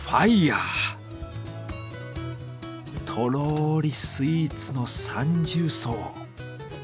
とろりスイーツの三重奏。